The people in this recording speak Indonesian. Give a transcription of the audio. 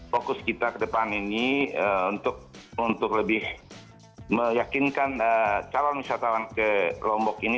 fokus kita ke depan ini untuk lebih meyakinkan calon wisatawan ke lombok ini